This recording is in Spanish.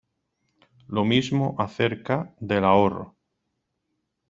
Lo mismo acerca del ahorro.